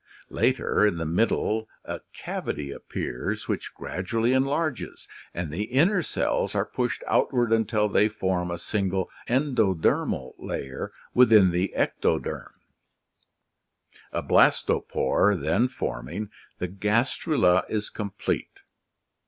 Later, in the middle, a cavity appears which gradu ally enlarges, and the inner cells are pushed outward until they form a single endodermal layer within the ectoderm. A blastopore then forming, the gastrula is complete.